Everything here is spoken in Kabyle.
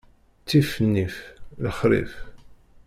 Ttif nnif, lexṛif.